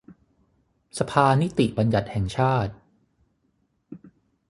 สภานิติบัญญติแห่งชาติ